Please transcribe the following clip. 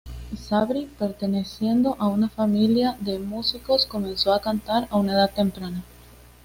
Sabri, perteneciendo a una familia de músicos, comenzó a cantar a una edad temprana.